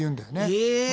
へえ。